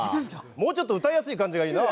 もうちょっと歌いやすい感じがいいな。